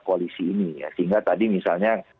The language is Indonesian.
koalisi ini ya sehingga tadi misalnya